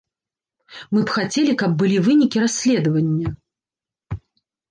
Мы б хацелі, каб былі вынікі расследавання.